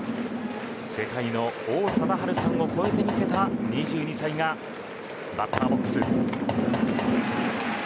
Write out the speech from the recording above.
世界の王貞治さんを超えてみせた２２歳がバッターボックス。